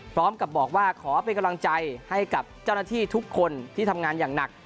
พร้อมกับบอกว่าขอเป็นกำลังใจให้กับเจ้าหน้าที่ทุกคนที่ทำงานอย่างหนัก